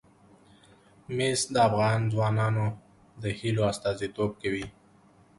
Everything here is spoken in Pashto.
مس د افغان ځوانانو د هیلو استازیتوب کوي.